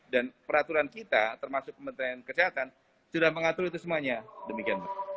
dan peraturan kita termasuk pemerintahan kesehatan sudah mengatur itu semuanya demikian